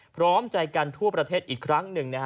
พร้อมใจกันทั่วประเทศอีกครั้งหนึ่ง